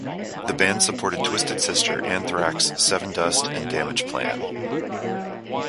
The band supported Twisted Sister, Anthrax, Sevendust and Damage Plan.